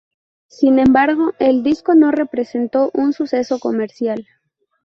Sin embargo, el disco no representó un suceso comercial.